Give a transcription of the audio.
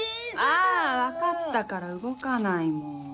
あ分かったから動かない。